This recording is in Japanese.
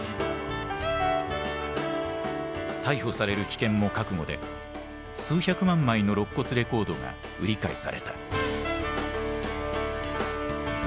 逮捕される危険も覚悟で数百万枚のろっ骨レコードが売り買いされた。